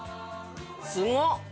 すごっ！